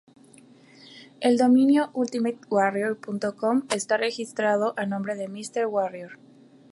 El dominio "ultimatewarrior.com" está registrado a nombre de "Míster Warrior".